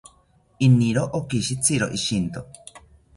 Iniro okishitziro ishinto